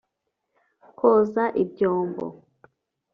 Koza ibyombo